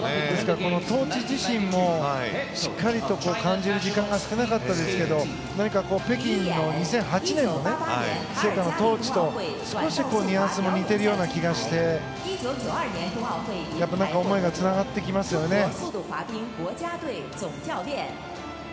ですから、トーチ自身もしっかりと感じる時間が少なかったですけど何か北京の２００８年の聖火のトーチと少しニュアンスも似ているような気がして思いがつながってきますよね。